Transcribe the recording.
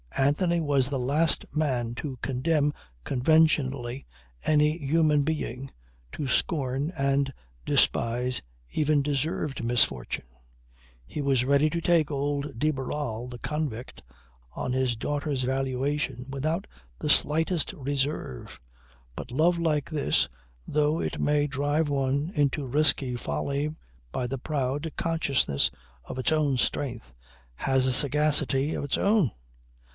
Anthony was the last man to condemn conventionally any human being, to scorn and despise even deserved misfortune. He was ready to take old de Barral the convict on his daughter's valuation without the slightest reserve. But love like his, though it may drive one into risky folly by the proud consciousness of its own strength, has a sagacity of its own.